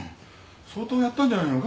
相当やったんじゃないのか？